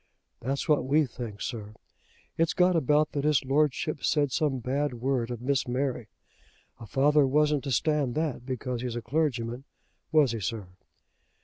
"That's what we think, sir. It's got about that his Lordship said some bad word of Miss Mary. A father wasn't to stand that because he's a clergyman, was he, sir?"